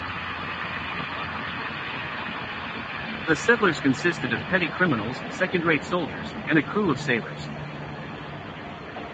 The settlers consisted of petty criminals, second-rate soldiers and a crew of sailors.